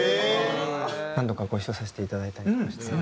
何度かご一緒させていただいたりとかしてる。